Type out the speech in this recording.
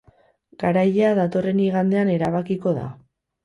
Garailea datorren igandean erabakiko da.